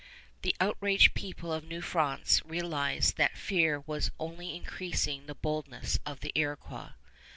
The outraged people of New France realized that fear was only increasing the boldness of the Iroquois.